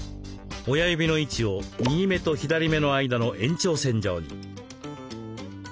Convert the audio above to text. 親指の位置を右目と左目の間の延長線上に。